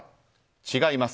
違います。